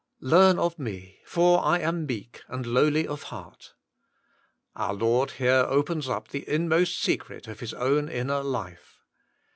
Learn of Me for I Am Meek and Lowly of Heart. Our Lord here opens up the inmost secret of His own inner life.